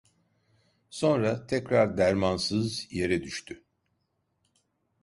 Sonra, tekrar dermansız yere düştü.